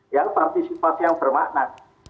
yang partisipasi yang bermakna